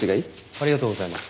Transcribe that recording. ありがとうございます。